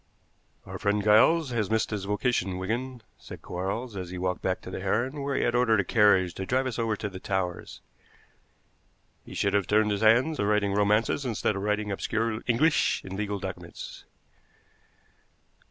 "Our friend Giles has missed his vocation, Wigan," said Quarles, as he walked back to the Heron, where he had ordered a carriage to drive us over to the Towers; "he should have turned his hand to writing romances instead of writing obscure English in legal documents."